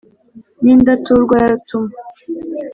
ni indatungurwa ya rutuma